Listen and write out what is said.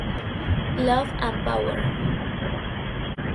Love and Power.